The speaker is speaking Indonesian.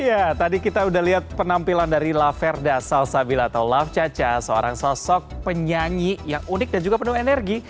iya tadi kita udah lihat penampilan dari laverda salsabila atau laf caca seorang sosok penyanyi yang unik dan juga penuh energi